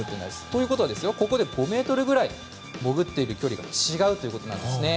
ということはここで５ｍくらい潜っている距離が違うということなんですね。